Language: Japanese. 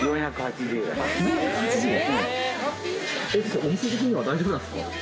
お店的には大丈夫なんですか？